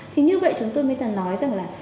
thì như vậy chúng tôi mới từng nói rằng là